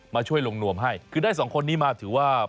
มาช่วยลงนวมให้คือได้สองคนนี้มาถือว่า